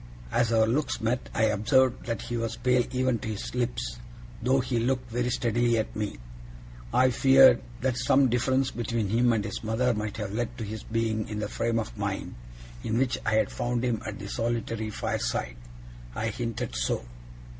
As our looks met, I observed that he was pale even to his lips, though he looked very steadily at me. I feared that some difference between him and his mother might have led to his being in the frame of mind in which I had found him at the solitary fireside. I hinted so.